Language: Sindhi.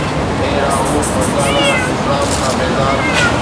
اي راهو فرزانه، اسلام کان بيزار